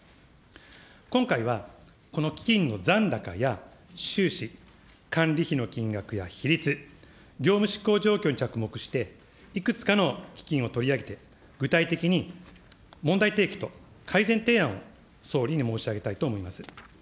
今回はこの基金の残高や収支、管理費の金額や比率、業務執行状況に着目して、いくつかの基金を取り上げて、具体的に問題提起と改善提案を総理に申し上げたいと思います。